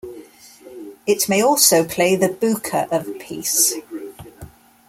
It may also play the buka of a piece.